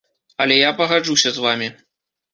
Але я пагаджуся з вамі.